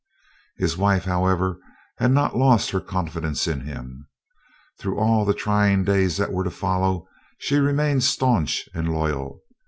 His wife, however, had not lost her confidence in him. Through all the trying days that were to follow, she remained staunch and loyal.